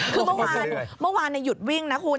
คือเมื่อวานเมื่อวานหยุดวิ่งนะคุณ